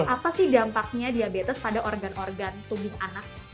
apa sih dampaknya diabetes pada organ organ tubuh anak